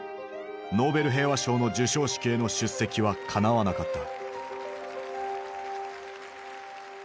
ノーベル平和賞の授賞式への出席はかなわなかった。